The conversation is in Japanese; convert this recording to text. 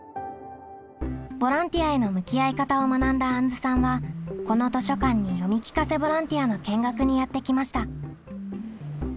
ボランティアへの向き合い方を学んだあんずさんはこの図書館に読み聞かせボランティアの見学にやって来ました。